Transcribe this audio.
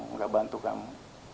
tidak bantu kamu